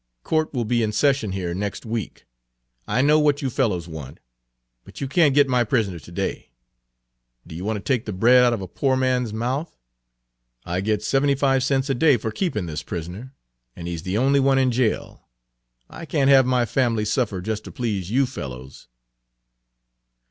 Court will be in session here next week. I know what you fellows want, but you can't get my prisoner to day. Do you want to take the bread out of a poor man's mouth? I get seventy five cents a day for keeping this prisoner, and he 's the only one in jail. I can't have my family suffer just to please you fellows."